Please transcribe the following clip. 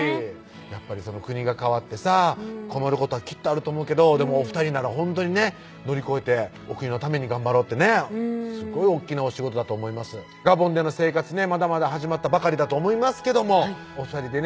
やっぱり国が変わってさ困ることはきっとあると思うけどでもお２人ならほんとにね乗り越えてお国のために頑張ろうってねすごい大っきなお仕事だと思いますガボンでの生活ねまだまだ始まったばかりだと思いますけどお２人でね